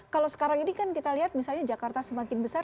kalau sekarang ini kan kita lihat misalnya jakarta semakin besar